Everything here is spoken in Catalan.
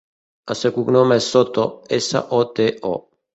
El seu cognom és Soto: essa, o, te, o.